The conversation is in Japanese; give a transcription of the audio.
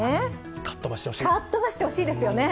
かっ飛ばしてほしいですよね。